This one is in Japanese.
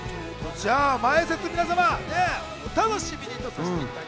じゃあ前説、皆様お楽しみに。